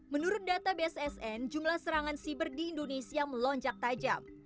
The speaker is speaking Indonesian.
menurut data bssn jumlah serangan siber di indonesia melonjak tajam